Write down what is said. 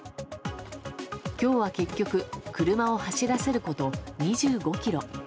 今日は結局車を走らせること２５ｋｍ。